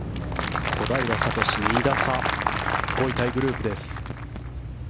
小平智、２打差で５位タイグループです。